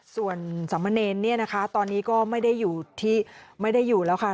ส่วนสามเณรเนี่ยนะคะตอนนี้ก็ไม่ได้อยู่ที่ไม่ได้อยู่แล้วค่ะ